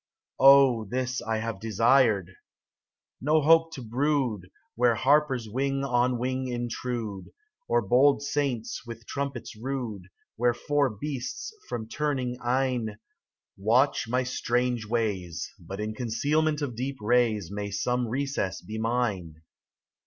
Oh, this I have desired ! No hope to brood Where harpers wing on wing intrude. Or bold saints with trumpets rude ; Where four beasts from turning eyne Watch my strange ways : But in concealment of deep rays May some recess be mine